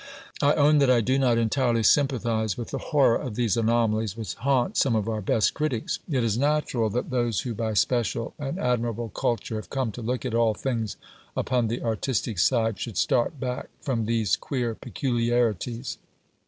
I own that I do not entirely sympathise with the horror of these anomalies which haunts some of our best critics. It is natural that those who by special and admirable culture have come to look at all things upon the artistic side, should start back from these queer peculiarities.